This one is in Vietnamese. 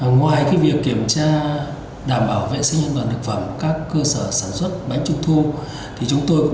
ngoài việc kiểm tra đảm bảo vệ sinh nhân vật lực phẩm các cơ sở sản xuất bánh trung thu